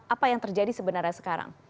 apa yang terjadi sebenarnya sekarang